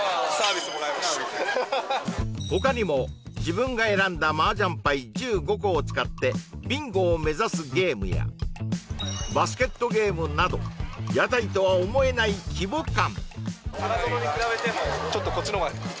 他にも自分が選んだ麻雀牌１５個を使ってビンゴを目指すゲームやバスケットゲームなど屋台とは思えない規模感